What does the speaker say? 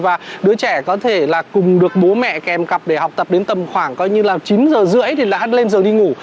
và đứa trẻ có thể là cùng được bố mẹ kèm cặp để học tập đến tầm khoảng coi như là chín giờ rưỡi thì đã lên giờ đi ngủ